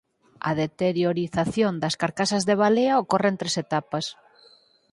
A deterioración das carcasas de balea ocorre en tres etapas.